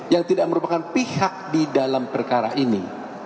yang tidak merupakan pihak di dalam perkara ini